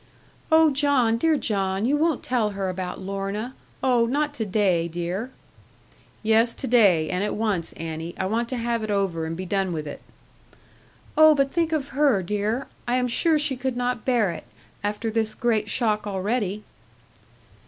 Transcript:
'Oh, John, dear John, you won't tell her about Lorna oh, not to day, dear.' 'Yes, to day, and at once, Annie. I want to have it over, and be done with it.' 'Oh, but think of her, dear. I am sure she could not bear it, after this great shock already.'